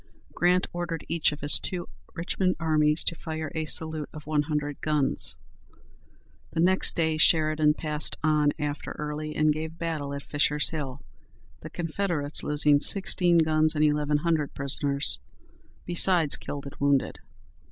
Grant ordered each of his two Richmond armies to fire a salute of one hundred guns. The next day Sheridan passed on after Early, and gave battle at Fisher's Hill, the Confederates losing sixteen guns and eleven hundred prisoners, besides killed and wounded.